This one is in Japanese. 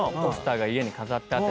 家に飾ってあって。